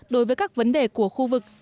đối với các vấn đề của khu vực